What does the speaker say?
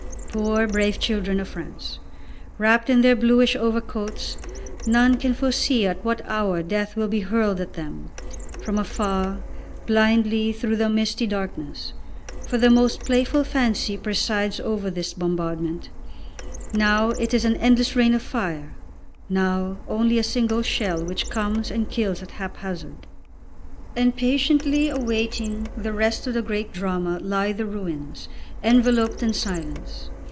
Poor, brave children of France, wrapped in their bluish overcoats, none can foresee at what hour death will be hurled at them, from afar, blindly, through the misty darkness for the most playful fancy presides over this bombardment; now it is an endless rain of fire, now only a single shell which comes and kills at haphazard. And patiently awaiting the rest of the great drama lie the ruins, enveloped in silence.